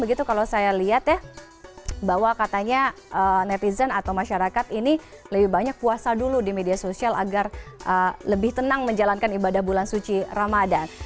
begitu kalau saya lihat ya bahwa katanya netizen atau masyarakat ini lebih banyak puasa dulu di media sosial agar lebih tenang menjalankan ibadah bulan suci ramadan